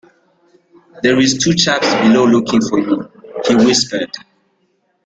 “There’s two chaps below looking for you,” he whispered.